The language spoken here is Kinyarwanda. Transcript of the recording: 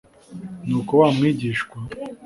Nuko wa mwigishwa